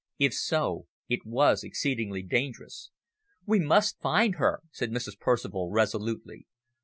If so, it was exceedingly dangerous. "We must find her," said Mrs. Percival, resolutely.